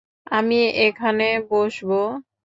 আমি এখানে বসবো?